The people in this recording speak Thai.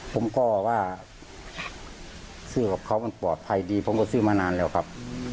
ผมก็ว่าซื้อของเขามันปลอดภัยดีผมก็ซื้อมานานแล้วครับ